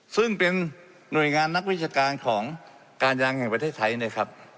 ซึ่งเป็นหน่วยงานนักวิชาการของการยางแห่งประเทศไทยนะครับ